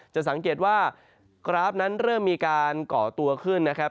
จะสังเกตว่ากราฟนั้นเริ่มมีการก่อตัวขึ้นนะครับ